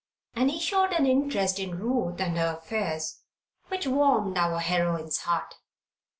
And he showed an interest in Ruth and her affairs which warmed our heroine's heart.